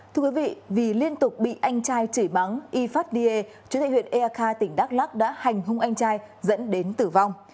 thưa quý vị vì liên tục bị anh trai chỉ bắn yifat nye chủ thị huyện eakha tỉnh đắk lắk đã hành hung anh trai dẫn đến tử vong